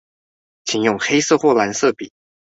請用黑色或藍色筆